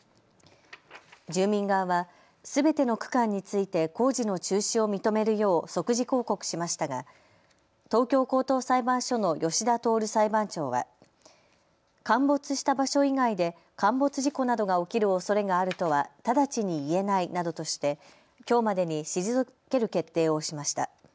住民側はすべての区間について工事の中止を認めるよう即時抗告しましたが東京高等裁判所の吉田徹裁判長は陥没した場所以外で陥没事故などが起きるおそれがあるとは直ちに言えないなどとしてきょうまでに退ける決定をしました。